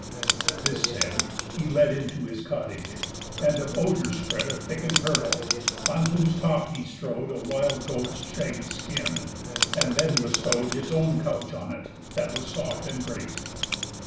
This said, he led Into his cottage, and of osiers spread A thicken'd hurdle, on whose top he strow'd A wild goat's shaggy skin, and then bestow'd His own couch on it, that was soft and great.